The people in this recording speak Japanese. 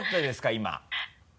今。